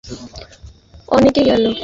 আমার সাথে আরো অনেকে গেল।